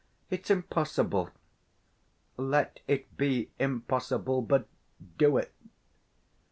It's impossible!" "Let it be impossible, but do it.